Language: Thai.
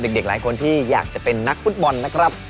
เด็กหลายคนที่อยากจะเป็นนักฟุตบอลนะครับ